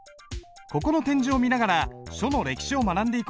ここの展示を見ながら書の歴史を学んでいこう。